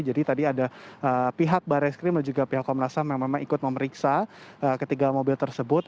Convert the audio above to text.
jadi tadi ada pihak barai skrim dan juga pihak komnas ham yang memang ikut memeriksa ketiga mobil tersebut